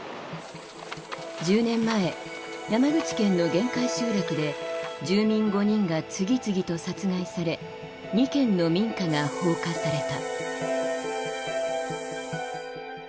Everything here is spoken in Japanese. １０年前山口県の限界集落で住民５人が次々と殺害され２軒の民家が放火された。